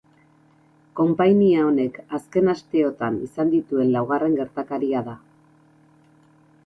Konpainia honek azken asteotan izan dituen laugarren gertakaria da.